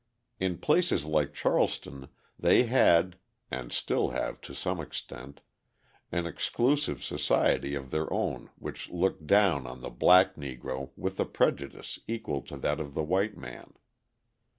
In places like Charleston they had (and still have to some extent) an exclusive society of their own which looked down on the black Negro with a prejudice equal to that of the white man.